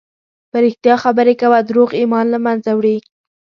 په رښتیا خبرې کوه، دروغ ایمان له منځه وړي.